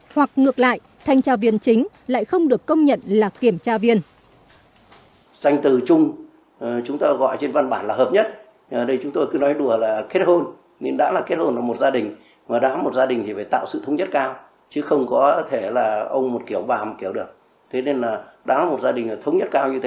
hoặc ngược lại thanh tra viên chính lại không được công nhận là kiểm tra viên